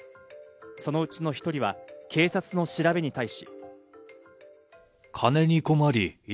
そのうちの一人は警察の調べに対し。